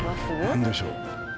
何でしょう？